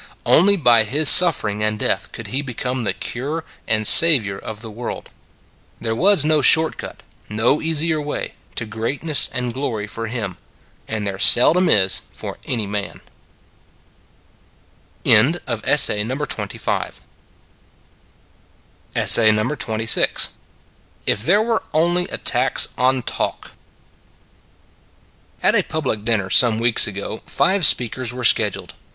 Only by His suffering and death could He become the Cure and Saviour of the world. There was no short cut, no easier way, to greatness and glory for Him : and there seldom is for any man. IF THERE WERE ONLY A TAX ON TALK AT a public dinner some weeks ago five speakers were scheduled.